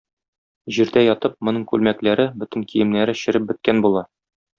Җирдә ятып, моның күлмәкләре, бөтен киемнәре череп беткән була.